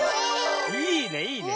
いいねいいね。